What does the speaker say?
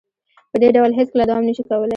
په دې ډول هیڅکله دوام نشي کولې